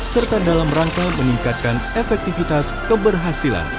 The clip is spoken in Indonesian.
serta dalam rangka meningkatkan efektivitas keberhasilan